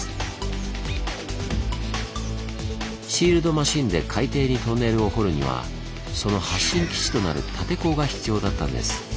シールドマシンで海底にトンネルを掘るにはその発進基地となる「立て坑」が必要だったんです。